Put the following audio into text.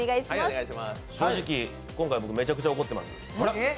正直、今回僕、めちゃくちゃ怒ってます。